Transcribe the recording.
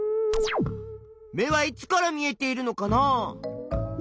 目はいつから見えているのかな？